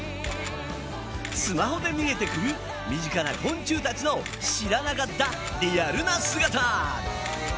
スマホで見えてくる身近な昆虫たちの知らなかったリアルな姿！